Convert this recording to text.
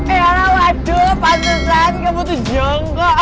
eh alah waduh pantun lagi kamu tuh jongkok